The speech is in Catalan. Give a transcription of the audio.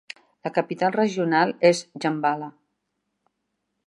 La capital regional és Djambala.